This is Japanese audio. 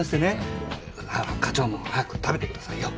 課長も早く食べてくださいよ。